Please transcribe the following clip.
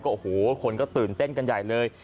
โอ้โหคนก็ตื่นเต้นกันใหญ่เลย